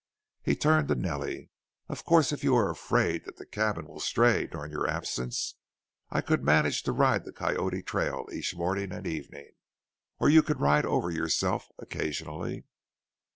He turned to Nellie. "Of course if you are afraid that the cabin will stray during your absence I could manage to ride the Coyote trail each morning and evening or you could ride over yourself occasionally."